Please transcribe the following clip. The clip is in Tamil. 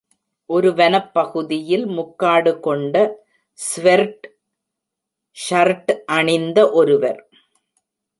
ஒரு வனப்பகுதியில் முக்காடு கொண்ட ஸ்வெர்ட்ஷர்ட் அணிந்த ஒருவர்.